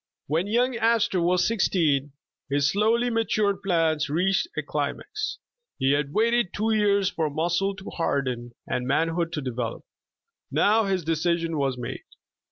WHEN young Astor was sixteen, his slowly ma tured plans reached a climax. He had waited two years for muscle to harden and manhood to develop. Now his decision was made.